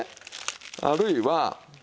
あるいは。